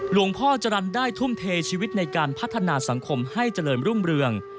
หลวงพ่อจรรย์ได้ทุ่มเทชีวิตในการพัฒนาสังคมให้เจริญรุ่งเรือง